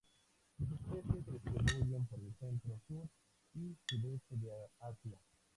Sus especies se distribuyen por el centro, sur y sudeste de Asia.